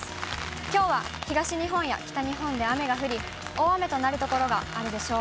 きょうは東日本や北日本で雨が降り、大雨となる所があるでしょう。